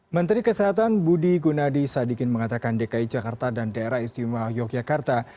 menteri kesehatan budi gunadi sadikin mengatakan dki jakarta dan daerah istimewa yogyakarta